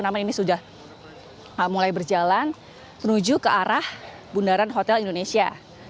namun ini sudah mulai berjalan menuju ke arah bundaran hotel indonesia